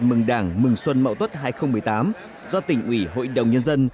mừng đảng mừng xuân mậu tuất hai nghìn một mươi tám do tỉnh ủy hội đồng nhân dân